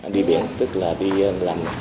đi biển tức là đi làm